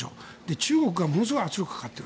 中国が今ものすごい圧力をかけている。